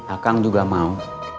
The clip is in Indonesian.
akang juga mau